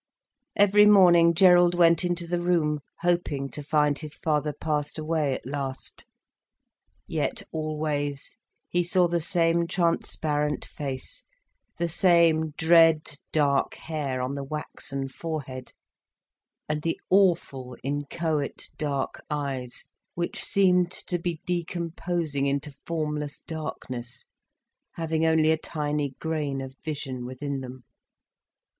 Every morning Gerald went into the room, hoping to find his father passed away at last. Yet always he saw the same transparent face, the same dread dark hair on the waxen forehead, and the awful, inchoate dark eyes, which seemed to be decomposing into formless darkness, having only a tiny grain of vision within them.